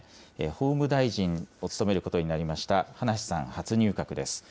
法務大臣を務めることになりました葉梨さん、初入閣です。